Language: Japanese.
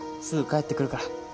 すぐ帰ってくるから。